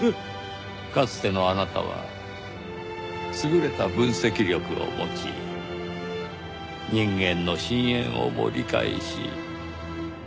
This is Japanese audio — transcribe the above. かつてのあなたは優れた分析力を持ち人間の深淵をも理解し。